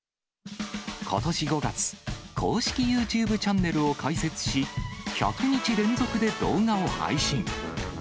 ことし５月、公式ＹｏｕＴｕｂｅチャンネルを開設し、１００日連続で動画を配信。